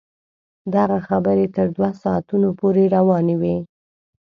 دغه خبرې تر دوه ساعتونو پورې روانې وې.